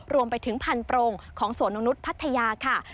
รวมไปถึงพันโปรงของสวนนกนุษย์พัทยาค่ะ